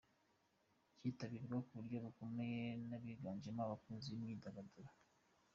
Cyitabirwa mu buryo bukomeye n’abiganjemo abakunzi b’imyidagaduro.